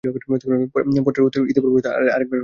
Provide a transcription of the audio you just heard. পত্রের উত্তর ইতিপূর্বে আর-একবার দেওয়া হইয়াছে।